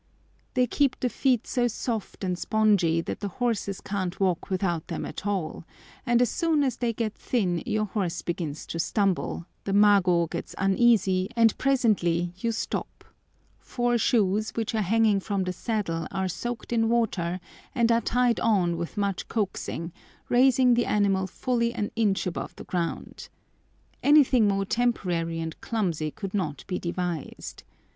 They keep the feet so soft and spongy that the horses can't walk without them at all, and as soon as they get thin your horse begins to stumble, the mago gets uneasy, and presently you stop; four shoes, which are hanging from the saddle, are soaked in water and are tied on with much coaxing, raising the animal fully an inch above the ground. Anything more temporary and clumsy could not be devised.